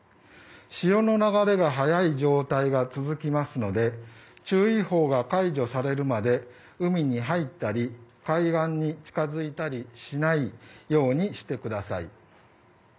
潮の流れが速い状態が続きますので注意報が解除されるまで海に入ったり海岸に近づいたりしないようにしてください。